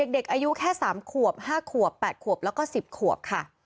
เด็กอายุแค่๓ขวบ๕ขวบ๘ขวบแล้วก็๑๐ขวบค่ะ